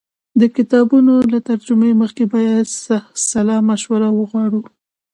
د کتابونو له ترجمې مخکې باید سلا مشوره وغواړو.